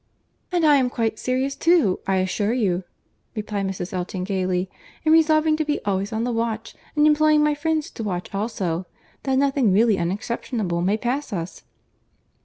"And I am quite serious too, I assure you," replied Mrs. Elton gaily, "in resolving to be always on the watch, and employing my friends to watch also, that nothing really unexceptionable may pass us."